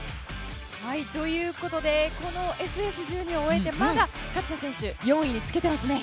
ということでこのＳＳ１２を終えてまだ勝田選手４位につけていますね。